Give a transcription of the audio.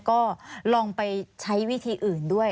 ก็ลองไปใช้วิธีอื่นด้วย